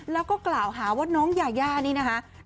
แล้วก็กล่าวหาว่าน้องยาย่านี่นะคะ